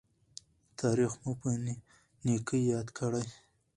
تاریخ مو په نیکۍ یاد کړي.